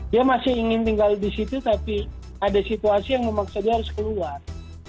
dia masih ingin tinggal di situ tapi ada situasi yang memaksa dia harus keluar